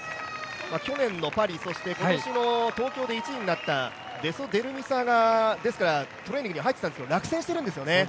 去年のパリ、今年の東京で１位になった選手がトレーニングには入っていたんですけど、今回は落選してるんですよね。